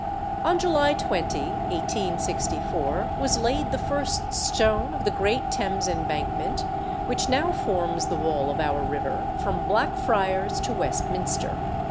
On July 20, 1864, was laid the first stone of the great Thames Embankment, which now forms the wall of our river from Blackfriars to Westminster.